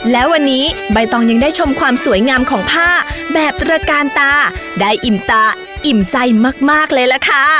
และวันนี้ใบตองยังได้ชมความสวยงามของผ้าแบบตระกาลตาได้อิ่มตาอิ่มใจมากเลยล่ะค่ะ